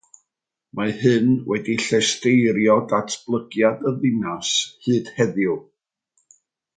Mae hyn wedi llesteirio datblygiad y ddinas hyd heddiw.